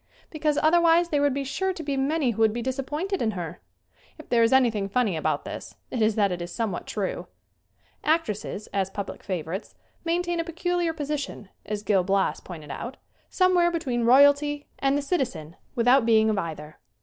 Because otherwise there would be sure to be many who would be disappointed in her! If there is anything funny about this it is that it is somewhat true. Actresses, as public favorites, maintain a peculiar position, as Gil Bias points out, some where between royalty and the citizen without 121 122 SCREEN ACTING being of either.